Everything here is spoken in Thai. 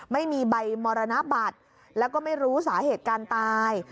ไม่มีใบมรณบัตรแล้วก็ไม่รู้สาเหตุการตาย